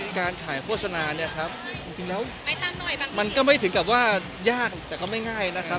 การขายโฆษณาเนี่ยครับจริงแล้วมันก็ไม่ถึงกับว่ายากแต่ก็ไม่ง่ายนะครับ